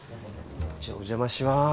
じゃあお邪魔します。